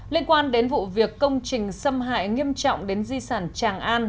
liên quan đến vụ việc công trình xâm hại nghiêm trọng đến di sản tràng an